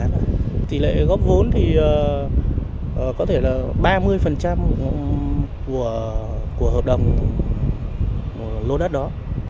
với liền kề biệt thự thì có thể là ba mươi của hợp đồng lô đất đó